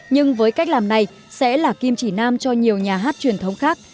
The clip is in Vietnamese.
nhưng với cách làm này sẽ là kim chỉ nam cho nhiều nhà hát truyền thống khác